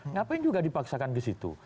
ngapain juga dipaksakan di situ